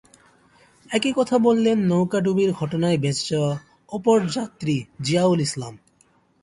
একই কথা বললেন নৌকা ডুবির ঘটনায় বেঁচে যাওয়া অপরযাত্রী জিয়াউল ইসলাম।